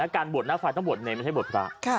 การบวชหน้าไฟต้องบวชเนรไม่ใช่บวชพระ